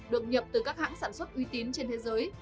được nhập từ các hãng sản xuất uy tín trên thế giới